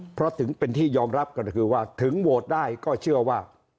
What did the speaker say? เพราะถึงเป็นที่ยอมรับกันก็คือว่าถึงโหวตได้ก็เชื่อว่า